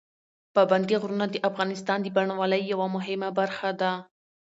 پابندي غرونه د افغانستان د بڼوالۍ یوه مهمه برخه ده.